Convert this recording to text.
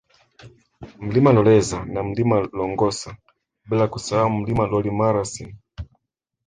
Mlima Loleza na Mlima Longosa bila kusahau mlima Loolmalasin